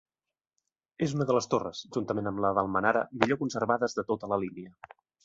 És una de les torres, juntament amb la d'Almenara, millor conservades de tota la línia.